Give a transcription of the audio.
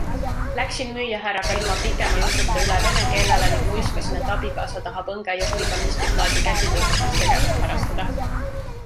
Läksin müüjahärraga ilma pikema jututa üle vene keelele ning luiskasin, et abikaasa tahab õngejõhviga miskit laadi käsitöösarnast tegevust harrastada.